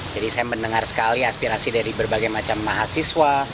jadi saya mendengar sekali aspirasi dari berbagai macam mahasiswa